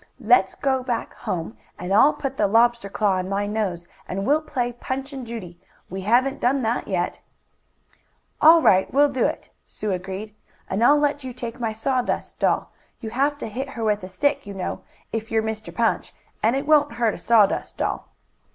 "Let's go back home, and I'll put the lobster claw on my nose, and we'll play Punch and Judy. We haven't done that yet." "All right, we'll do it!" Sue agreed. "And I'll let you take my sawdust doll. You have to hit her with a stick you know, if you're Mr. Punch, and it won't hurt a sawdust doll."